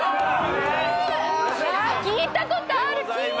聞いたことある！